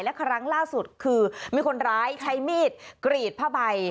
และครั้งล่าสุดคือมีคนร้ายใช้มีดกรีดผ้าใบ